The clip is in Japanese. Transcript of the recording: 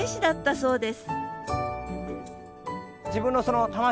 そうです。